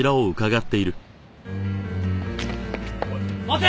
おい待て！